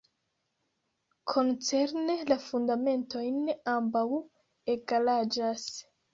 Koncerne la fundamentojn ambaŭ egalaĝas.